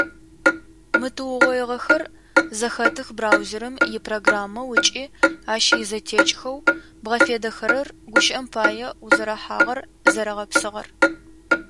Мы тыугъоигъэхэр зэхэтых браузерым ипрограммэу ыкӏи ащ изэтекӏхэу бгъэфедэхэрэр, гущыӏэм пае, узэрэхьагъэр зэрэгъэпсыгъэр.